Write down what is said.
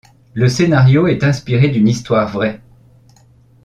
Le scénario est inspiré d'une histoire vraie.